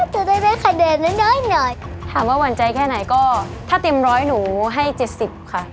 จะได้เป็นคะแนนน้อยน้อยถามว่าหวันใจแค่ไหนก็ถ้าเตรียมร้อยหนูให้เจ็ดสิบค่ะ